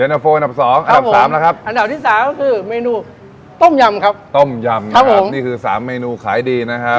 อันดับที่สามก็คือเมนูต้มยำครับต้มยำครับครับผมนี่คือสามเมนูขายดีนะครับ